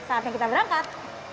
saatnya kita berangkat